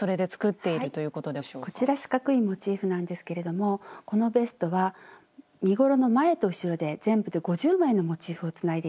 こちら四角いモチーフなんですけれどもこのベストは身ごろの前と後ろで全部で５０枚のモチーフをつないでいるんです。